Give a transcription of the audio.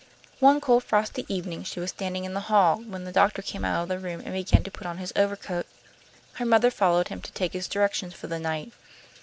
One cold, frosty evening she was standing in the hall, when the doctor came out of the room and began to put on his overcoat. Her mother followed him to take his directions for the night.